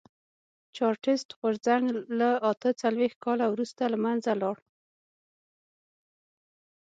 چارټېست غورځنګ له اته څلوېښت کال وروسته له منځه لاړ.